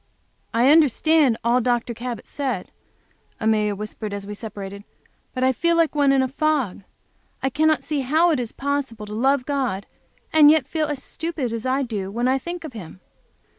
"I understand all Dr. Cabot said," Amelia whispered, as we separated. But I felt like one in a fog. I cannot see how it is possible to love God, and yet feel as stupid as I do when I think of Him.